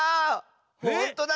ほんとだ。